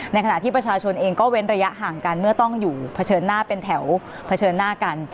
ในขณะที่ประชาชนเองก็เว้นระยะห่างกันเมื่อต้องอยู่เผชิญหน้าเป็นแถวเผชิญหน้ากัน